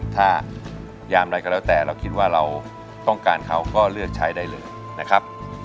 ถ้ายามใดก็แล้วแต่เราคิดว่าเราต้องการเขาก็เลือกใช้ได้เลยนะครับ